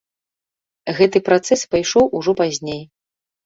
Гэты працэс пайшоў ужо пазней.